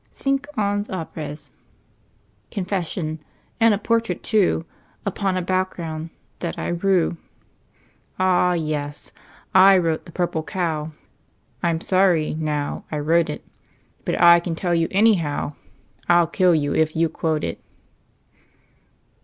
Cinq Ans Apres. (Confession: and a Portrait, Too, Upon a Background that I Rue!) Ah, yes! I wrote the "Purple Cow" I'm Sorry, now, I Wrote it! But I can Tell you, Anyhow, I'll Kill you if you Quote it!